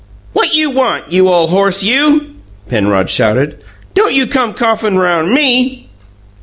"What you want, you ole horse, you?" Penrod shouted. "Don't you come coughin' around ME!"